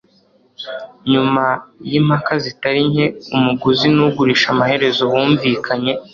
Nyuma yimpaka zitari nke umuguzi nugurisha amaherezo bumvikanye